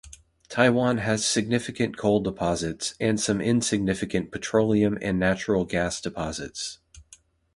Taiwan has significant coal deposits and some insignificant petroleum and natural gas deposits.